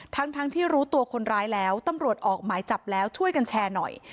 ทั้งที่รู้ตัวคนร้ายแล้วตำรวจออกหมายจับแล้วช่วยกันแชร์หน่อย